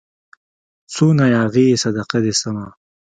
څونه ياغي يې صدقه دي سمه